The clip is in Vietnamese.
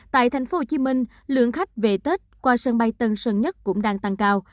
tại tp hcm lượng khách về tết qua sân bay tân sơn nhất cũng đang tăng cao